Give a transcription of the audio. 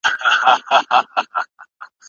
تاو د اوسپني کلا وه او اوس هم سته